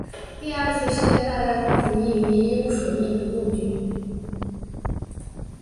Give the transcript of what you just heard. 第二次世界大战中服役于英属印度陆军。